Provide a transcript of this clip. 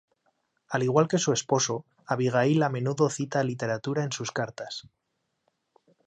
Al igual que su esposo, Abigail a menudo cita literatura en sus cartas.